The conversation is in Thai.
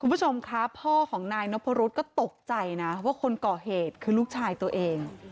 คุณผู้ชมคะพ่อของนายนพรุษก็ตกใจนะว่าคนก่อเหตุคือลูกชายตัวเอง